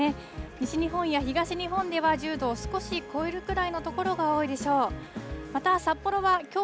西日本や東日本では１０度を少し超えるくらいの所が多いでしょう。